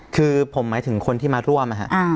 คือผมหมายถึงคนที่มาร่วม